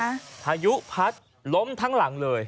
พายุพัดล้มทั้งหลังเลย